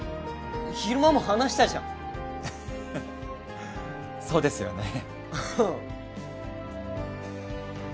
昼間も話したじゃんそうですよね